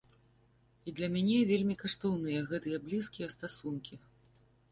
І для мяне вельмі каштоўныя гэтыя блізкія стасункі.